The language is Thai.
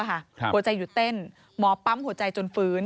หัวใจหยุดเต้นหมอปั๊มหัวใจจนฟื้น